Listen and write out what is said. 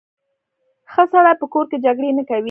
ښه سړی په کور کې جګړې نه کوي.